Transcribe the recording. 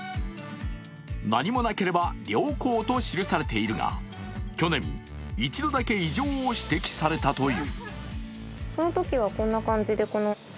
何もなければ「良好」と記されているが去年、一度だけ異常を指摘されたという。